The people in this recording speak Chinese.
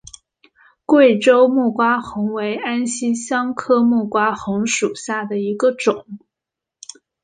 贵州木瓜红为安息香科木瓜红属下的一个种。